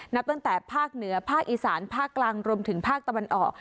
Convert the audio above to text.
นับตั้งแต่ภาคเหนือภาคอีสานภาคกลางรวมถึงภาคตะวันออก